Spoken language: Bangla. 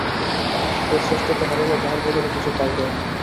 যে শ্রেষ্ঠতা হারাইল তাহার বদলে কিছু পাইলও না।